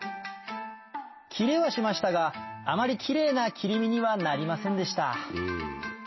切れはしましたがあまりキレイな切り身にはなりませんでした